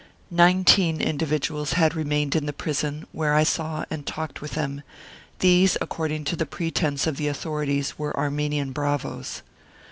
Nineteen individuals had remained in the prison, where I saw and talked with them; these, according to the pretence of the authorities, were Armenian bravoes.